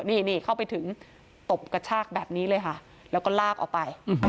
นี่เข้าไปถึงตบกระชากแบบนี้เลยค่ะแล้วก็ลากออกไป